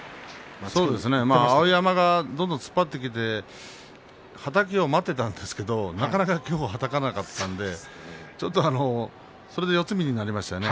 碧山がどんどん突っ張ってきてはたきを待っていたんですけどなかなか今日ははたかなかったのでそれで四つ身になりましたね。